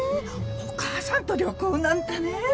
お母さんと旅行なんてね。